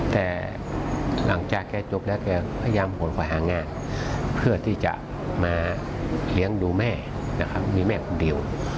แต่หลังจากแกจบแล้วแกพยายามโหนไปหางานเพื่อที่จะมาเลี้ยงดูแม่นะครับมีแม่คนเดียว